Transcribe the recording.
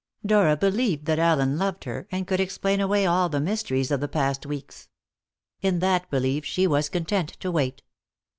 Dora believed that Allen loved her, and could explain away all the mysteries of the past weeks. In that belief she was content to wait.